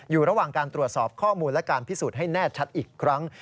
อยู่ระหว่างการตรวจสอบข้อมูลและการพิสูจน์ให้แน่ชัดอีกครั้ง